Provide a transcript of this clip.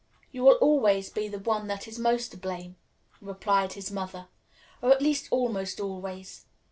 "You will always be the one that is most to blame," replied his mother, "or, at least, almost always.